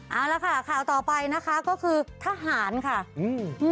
เอาละค่ะข่าวต่อไปนะคะก็คือทหารค่ะอืม